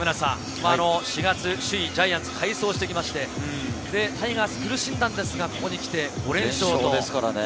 ４月、首位・ジャイアンツ快走してきまして、タイガース苦しんだんですが、ここに来て５連勝と。